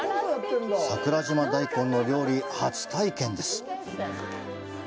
桜島大根の料理、初体験です。